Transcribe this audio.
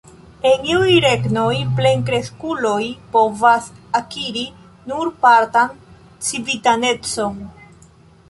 En iuj regnoj plenkreskuloj povas akiri nur partan civitanecon.